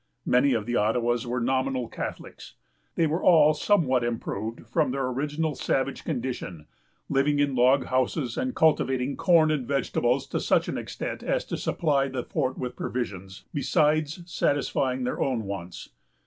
Many of the Ottawas were nominal Catholics. They were all somewhat improved from their original savage condition, living in log houses, and cultivating corn and vegetables to such an extent as to supply the fort with provisions, besides satisfying their own wants.